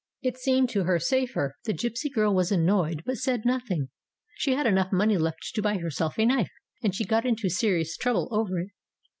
It seemed to her safer. The gipsy girl was annoyed, but said nothing. She had enough money left to buy herself a knife, and she got into serious trouble over it.